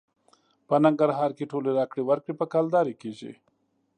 په ننګرهار کې ټولې راکړې ورکړې په کلدارې کېږي.